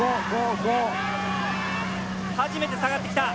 初めて下がってきた。